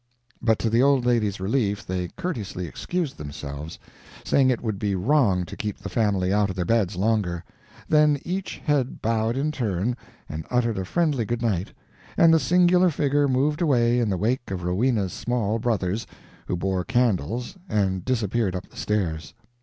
But to the old lady's relief they courteously excused themselves, saying it would be wrong to keep the family out of their beds longer; then each head bowed in turn and uttered a friendly good night, and the singular figure moved away in the wake of Rowena's small brothers, who bore candles, and disappeared up the stairs.